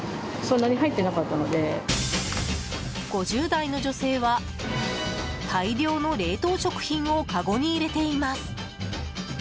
５０代の女性は大量の冷凍食品をかごに入れています。